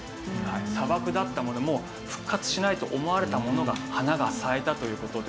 砂漠だったのでもう復活しないと思われたものが花が咲いたという事で。